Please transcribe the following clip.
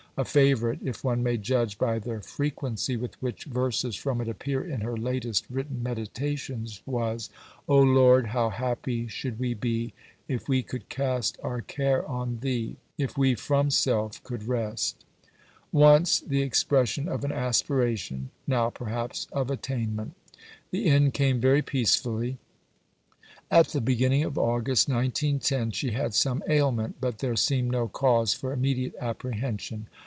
A favourite, if one may judge by the frequency with which verses from it appear in her latest written meditations, was "O Lord, how happy should we be, If we could cast our care on Thee, If we from self could rest." Once, the expression of an aspiration; now perhaps, of attainment. The end came very peacefully. At the beginning of August, 1910, she had some ailment, but there seemed no cause for immediate apprehension.